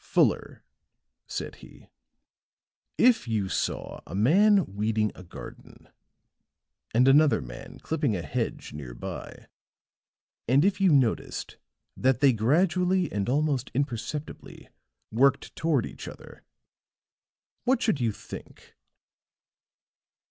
"Fuller," said he, "if you saw a man weeding a garden and another man clipping a hedge near by; and if you noticed that they gradually and almost imperceptibly worked toward each other, what should you think?"